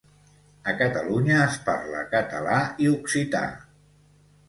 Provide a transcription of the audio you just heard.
A Catalunya es parla català i occità.